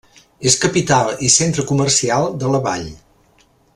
És capital i centre comercial de la vall.